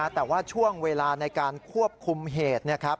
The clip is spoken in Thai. แต่ว่าช่วงเวลาในการควบคุมเหตุ